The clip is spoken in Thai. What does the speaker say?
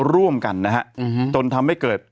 ร่วมกันนะฮะจนทำให้เกิด